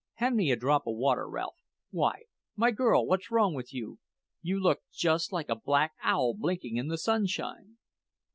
Hand me a drop of water, Ralph. Why, girl, what's wrong with you? You look just like a black owl blinking in the sunshine!"